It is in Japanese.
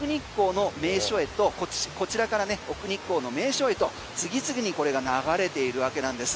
こちらから奥日光の名所へと次々にこれが流れているわけなんです。